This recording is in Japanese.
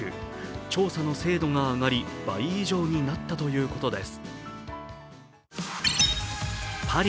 調査の精度が上がり、倍以上になったということです。